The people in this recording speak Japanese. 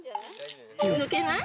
抜けない？